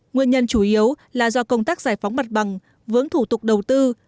nguyên nhân chủ yếu là do công tác giải phóng mặt bằng vướng thủ tục đầu tư